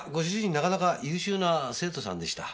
なかなか優秀な生徒さんでした。